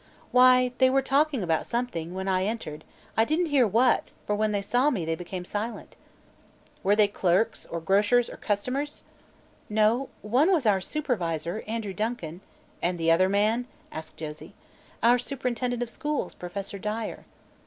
"Why, they were talking about something, when I entered; I didn't hear what, for when they saw me they became silent." "Were they clerks, or grocers customers?" "No; one was our supervisor, Andrew Duncan " "And the other man?" asked Josie. "Our superintendent of schools, Professor Dyer."